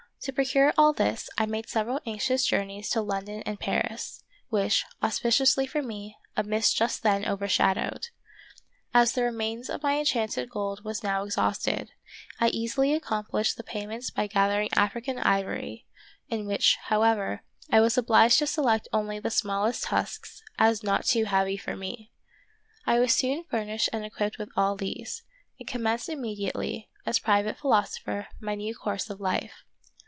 To procure all this, I made several anxious journeys to London and Paris, which, auspi ciously for me, a mist just then overshadowed. As the remains of my enchanted gold was now exhausted, I easily accomplished the payment by gathering African ivory, in which, however, of Peter Schlemihl. 107 I was obliged to select only the smallest tusks, as not too heavy for me. I was soon furnished and equipped with all these, and commenced immediately, as private philosopher, my new course of life.